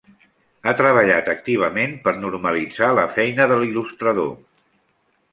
Ha treballat activament per normalitzat la feina de l'il·lustrador.